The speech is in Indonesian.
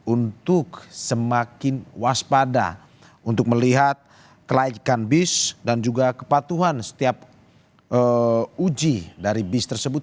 untuk semakin waspada untuk melihat kelaikan bis dan juga kepatuhan setiap uji dari bis tersebut